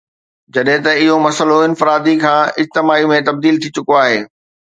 جڏهن ته اهو مسئلو انفرادي کان اجتماعي ۾ تبديل ٿي چڪو آهي